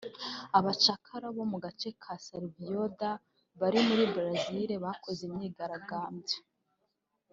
Abacakara bo mu gace ka Salvador da Bahia muri Brazil bakoze imyigaragambyo